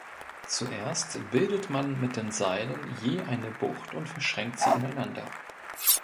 Zuerst bildet man mit den Seilen je eine Bucht und verschränkt sie ineinander.